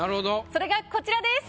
それがこちらです。